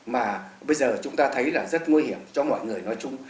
mà bây giờ chúng ta thấy là rất nguy hiểm cho mọi người nói chung